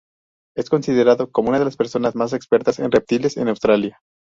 Es considerado como una de las personas más expertas en reptiles en Australia.